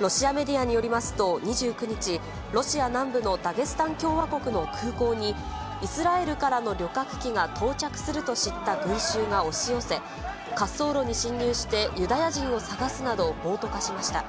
ロシアメディアによりますと、２９日、ロシア南部のダゲスタン共和国の空港に、イスラエルからの旅客機が到着すると知った群衆が押し寄せ、滑走路に侵入して、ユダヤ人を探すなど暴徒化しました。